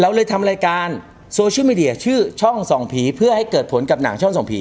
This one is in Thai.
เลยทำรายการโซเชียลมีเดียชื่อช่องส่องผีเพื่อให้เกิดผลกับหนังช่องส่องผี